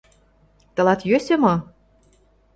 — Тылат йӧсӧ мо?